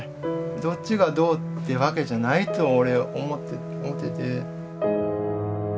どっちがどうってわけじゃないと俺思ってて。